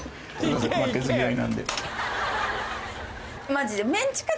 マジで。